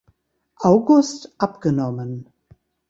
August abgenommen.